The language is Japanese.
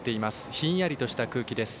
ひんやりとした空気です。